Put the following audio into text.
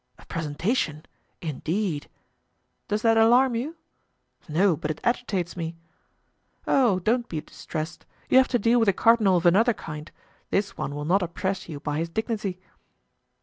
"A presentation? indeed!" "Does that alarm you?" "No, but it agitates me." "Oh! don't be distressed; you have to deal with a cardinal of another kind. This one will not oppress you by his dignity."